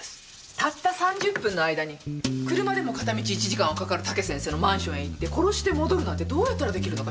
たった３０分の間に車でも片道１時間はかかる武先生のマンションへ行って殺して戻るなんてどうやったらできるのかしら？